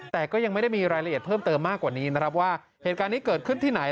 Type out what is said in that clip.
แต่ก็ยังไม่ได้มีรายละเอียดเพิ่มเติมมากกว่านี้นะครับว่าเหตุการณ์นี้เกิดขึ้นที่ไหน